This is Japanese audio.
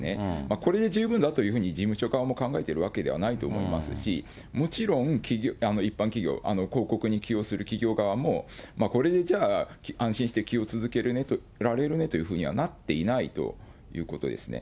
これで十分だというふうに事務所側も考えているわけではないと思いますし、もちろん、一般企業、広告に起用する企業側も、これでじゃあ、安心して起用を続けられるねというふうにはなっていないということですね。